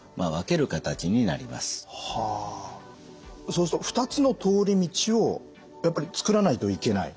そうすると２つの通り道をやっぱり作らないといけない？